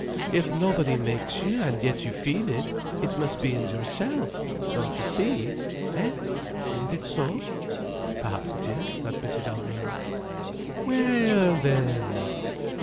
If nobody makes you, and yet you feel it, it must be in yourself, don't you see? Eh? Isn't it so?" "Perhaps it is," admitted Alvina. "We ell then!